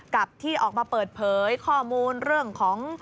กับที่ออกมาเปิดเผยข้อมูลเรื่องของ